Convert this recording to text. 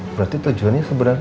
berarti tujuannya sebenarnya